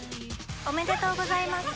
おめでとうございます。